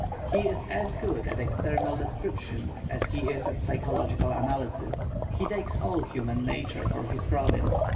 He is as good at external description as he is at psychological analysis. He takes all human nature for his province.